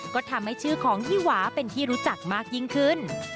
ก็ทำให้ชื่อของยี่หวาเป็นที่รู้จักมากยิ่งขึ้น